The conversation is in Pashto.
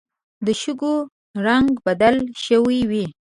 د شګو رنګ بدل شوی وي